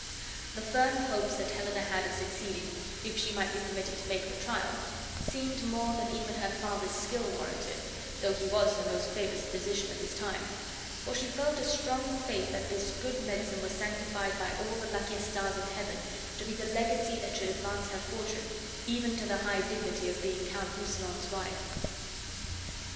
The firm hopes that Helena had of succeeding, if she might be permitted to make the trial, seemed more than even her father's skill warranted, though he was the most famous physician of his time; for she felt a strong faith that this good medicine was sanctified by all the luckiest stars in heaven to be the legacy that should advance her fortune, even to the high dignity of being Count Rousillon's wife.